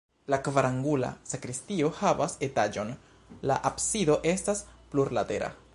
La kvarangula sakristio havas etaĝon, la absido estas plurlatera.